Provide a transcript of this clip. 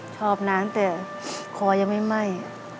ชอบนานแต่คอยังไม่ไหม้